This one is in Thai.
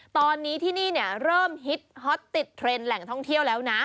ตอนนี้ที่นี่เริ่มฮิตฮอตติดเทรนด์แหล่งท่องเที่ยวแล้วนะ